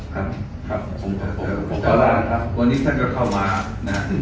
ครับครับผมผมผมก็ว่าครับวันนี้ท่านก็เข้ามานะครับ